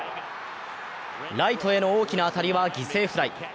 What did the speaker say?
ライトへの大きな当たりは犠牲フライ。